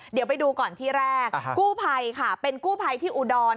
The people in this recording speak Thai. เดี๋ยวไปดูก่อนที่แรกกู้ภัยค่ะเป็นกู้ภัยที่อุดร